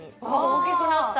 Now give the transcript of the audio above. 大きくなった。